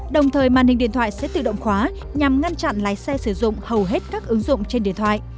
đồng thời màn hình điện thoại sẽ tự động khóa nhằm ngăn chặn lái xe sử dụng hầu hết các ứng dụng trên điện thoại